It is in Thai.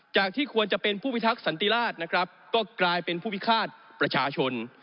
ที่ควรจะเป็นผู้พิทักษันติราชนะครับก็กลายเป็นผู้พิฆาตประชาชน